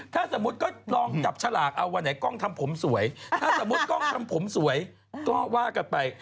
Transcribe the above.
ถ้าสมมุติก็ลองจับฉลากเอาวันไหนกล้องทำผมสวยถ้าสมมุติกล้องทำผมสวยก็ว่ากันไป